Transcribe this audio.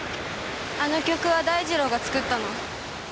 あの曲は大二郎が作ったの。